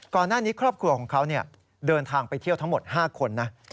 ครอบครัวนี้ครอบครัวของเขาเดินทางไปเที่ยวทั้งหมด๕คนนะ